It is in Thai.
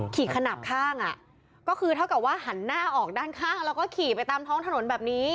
ขนาดข้างอ่ะก็คือเท่ากับว่าหันหน้าออกด้านข้างแล้วก็ขี่ไปตามท้องถนนแบบนี้